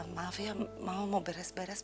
maaf ya mau mau beres beres